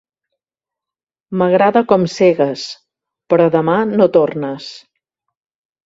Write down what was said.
M'agrada com segues, però demà no tornes.